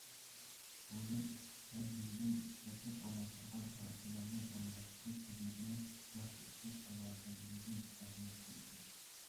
بۇ يىل ھەربىيدىن كەسىپ ئالماشتۇرغان كادىرلارنى ئورۇنلاشتۇرۇش خىزمىتىنى ياخشى ئىشلەش ئالاھىدە مۇھىم ئەھمىيەتكە ئىگە.